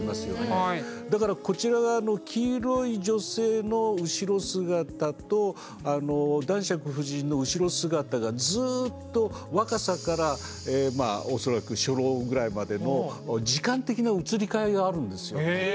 だからこちら側の黄色い女性の後ろ姿と男爵夫人の後ろ姿がずっと若さからまあ恐らく初老ぐらいまでの時間的な移り変わりがあるんですよ。